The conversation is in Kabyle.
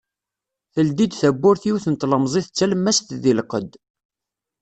Teldi-d tawwurt yiwet n tlemẓit d talemmast di lqedd.